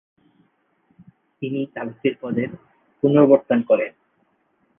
তিনি কালেক্টর পদের পুনঃপ্রবর্তন করেন।